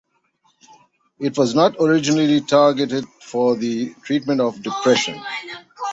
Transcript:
It was not originally targeted for the treatment of depression.